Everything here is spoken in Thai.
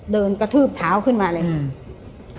เดินกระทืบเท้าขึ้นมาเลยอืม